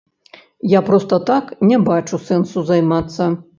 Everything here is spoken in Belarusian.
Я проста так не бачу сэнсу займацца.